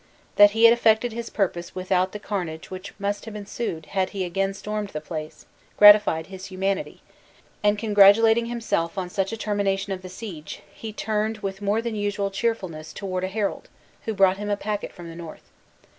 That he had effected his purpose without the carnage which must have ensued had he again stormed the place, gratified his humanity; and congratulating himself on such a termination of the siege, he turned with more than usual cheerfulness toward a herald, who brought him a packet from the north.